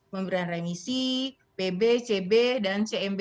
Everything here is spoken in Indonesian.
memberikan remisi pb cb dan cmb